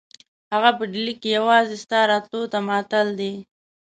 هغه په ډهلي کې یوازې ستا راتلو ته معطل دی.